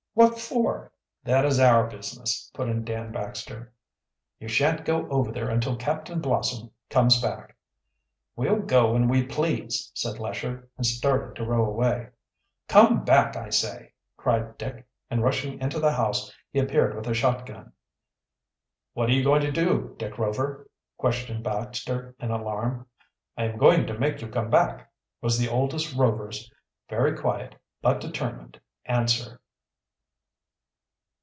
"What for?" "That is our business," put in Dan Baxter. "You shan't go over there until Captain Blossom comes back." "We'll go when we please," said Lesher, and started to row away. "Come back, I say!" cried Dick, and, rushing into the house, he appeared with a shot gun. "What are you going to do, Dick Rover?" questioned Baxter in alarm. "I am going to make you come back," was the oldest Rover's very quiet, but determined, answer.